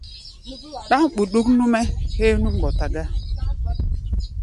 Ɗáŋ ɓuɗuk nú-mɛ́ héé nú mgbɔta gá.